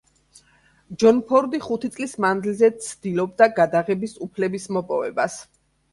ჯონ ფორდი ხუთი წლის მანძილზე ცდილობდა გადაღების უფლების მოპოვებას.